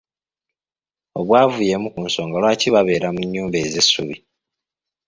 Obwavu y'emu ku nsonga lwaki babeera mu nnyumba ez'essubi.